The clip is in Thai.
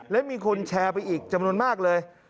และมีคนแชร์ไปอีกจำนวนมากเลย